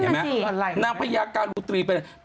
นางพญาการุตรีเป็นอะไรนางพญาการุตรีเป็นอะไร